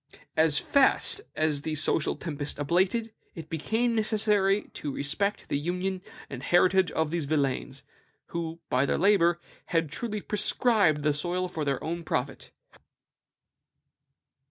As fast as the social tempest abated, it became necessary to respect the union and heritage of these villeins, who by their labor had truly prescribed the soil for their own profit."